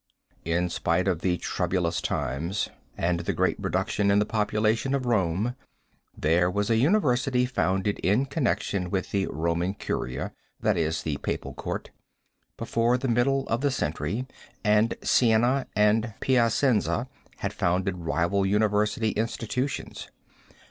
In spite of the troublous times and the great reduction in the population of Rome there was a university founded in connection with the Roman Curia, that is the Papal Court, before the middle of the century, and Siena and Piacenza had founded rival university institutions.